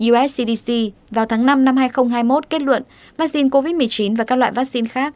us cdc vào tháng năm năm hai nghìn hai mươi một kết luận vaccine covid một mươi chín và các loại vaccine khác